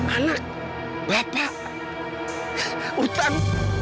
anak bapak utang